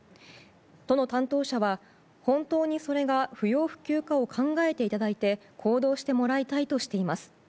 都の担当者は、本当にそれが不要不急かを考えていただいて行動してもらいたいとしています。